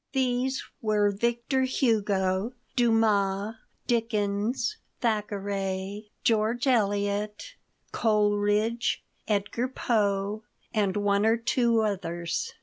These were Victor Hugo, Dumas, Dickens, Thackeray, George Eliot, Coleridge, Edgar Poe, and one or two others.